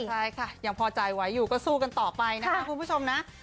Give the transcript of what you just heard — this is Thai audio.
ใช่ค่ะยังพอใจไว้อยู่ก็สู้กันต่อไปนะคะคุณผู้ชมนะ